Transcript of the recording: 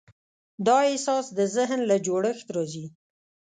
دا احساس د ذهن له جوړښت راځي.